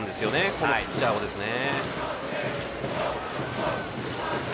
このピッチャーをね。